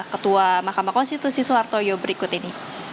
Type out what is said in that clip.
ketua mahkamah konstitusi soeharto yo berikut ini